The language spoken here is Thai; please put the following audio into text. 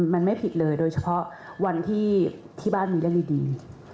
มันไม่ผิดเลยโดยเฉพาะวันที่บ้านมีเรื่องดี